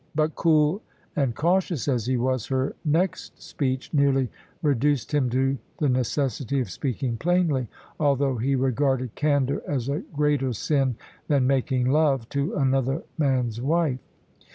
But, cool and cautious as he was, her next speech nearly reduced him to the necessity of speaking plainly, although he regarded candour as a greater sin than making love to another man's wife.